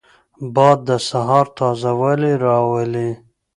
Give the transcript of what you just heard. باد د سهار تازه والی راولي